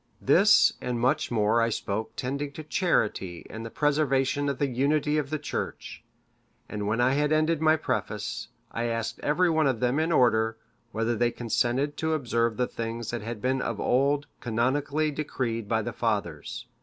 This and much more I spoke tending to charity and the preservation of the unity of the Church; and when I had ended my preface, I asked every one of them in order, whether they consented to observe the things that had been of old canonically decreed by the fathers?